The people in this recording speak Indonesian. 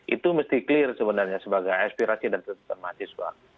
itu mesti clear sebenarnya sebagai aspirasi dan tuntutan mahasiswa